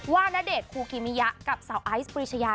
ณเดชนคูกิมิยะกับสาวไอซ์ปรีชยา